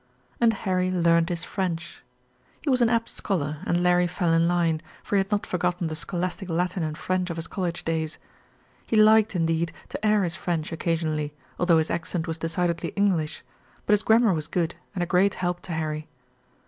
And Harry learned his French. He was an apt scholar, and Larry fell in line, for he had not forgotten the scholastic Latin and French of his college days. He liked, indeed, to air his French occasionally, although his accent was decidedly English, but his grammar was good and a great help to Harry.